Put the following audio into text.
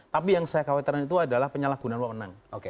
tapi yang saya khawatirkan itu adalah penyalahgunaan wamenang